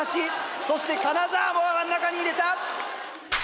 そして金沢も真ん中に入れた！